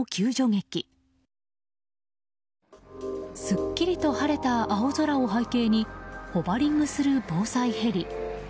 すっきりと晴れた青空を背景にホバリングする防災ヘリ。